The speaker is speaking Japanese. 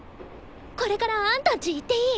これからあんたんち行っていい？